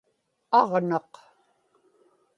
aġnaq